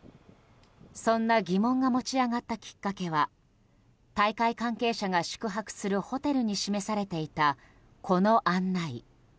そんな疑問が持ち上がったきっかけは大会関係者が宿泊するホテルに示されていた、この案内。